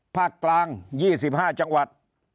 ภาคกลางยี่สิบห้าจังหวัด